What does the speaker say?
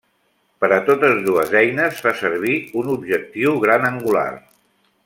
Per a totes dues eines fa servir un objectiu gran angular.